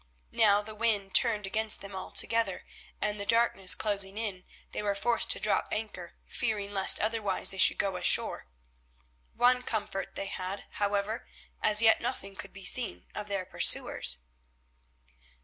Now the wind turned against them altogether, and, the darkness closing in, they were forced to drop anchor, fearing lest otherwise they should go ashore. One comfort they had, however: as yet nothing could be seen of their pursuers.